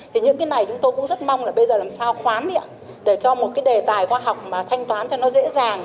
thì những cái này chúng tôi cũng rất mong là bây giờ làm sao khoán miệng để cho một cái đề tài khoa học mà thanh toán cho nó dễ dàng